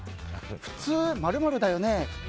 「普通○○だよね」